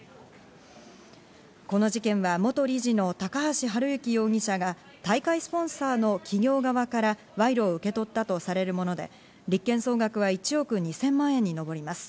この事件は元理事の高橋治之容疑者が大会スポンサーの企業側から賄賂を受け取ったとされるもので、立件総額は１億２０００万円に上ります。